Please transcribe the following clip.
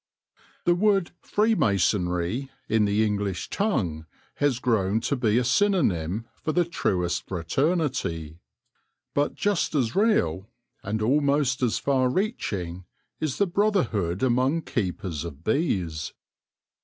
The word " freemasonry," in the English tongue, has grown to be a synonym for the truest fraternity ; but just as real, and almost as far reaching, is the brother hood among keepers of bees.